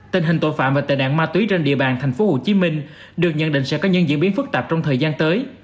tình hình tội phạm và tệ đạn ma túy trên địa bàn thành phố hồ chí minh được nhận định sẽ có nhân diễn biến phức tạp trong thời gian tới